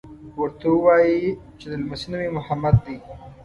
ورته ووایي چې د لمسي نوم یې محمد دی.